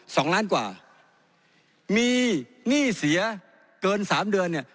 สองล้านกว่ามีหนี้เสียเกินสามเดือนเนี่ย